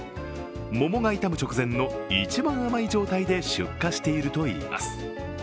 桃が傷む直前の一番甘い状態で出荷しているといいます。